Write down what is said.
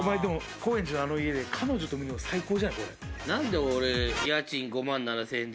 高円寺のあの家で彼女と見るの最高じゃない？